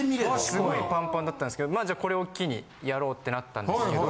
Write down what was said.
すごいパンパンだったんですけどじゃあこれを機にやろうってなったんですけど。